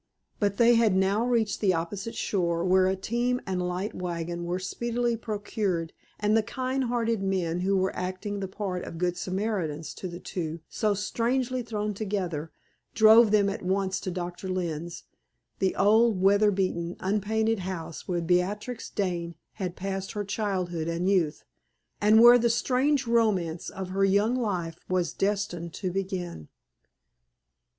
But they had now reached the opposite shore, where a team and light wagon were speedily procured, and the kind hearted men who were acting the part of good Samaritans to the two so strangely thrown together, drove them at once to Doctor Lynne's the old, weather beaten, unpainted house where Beatrix Dane had passed her childhood and youth, and where the strange romance of her young life was destined to begin.